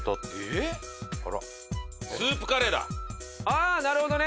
「ああなるほどね！」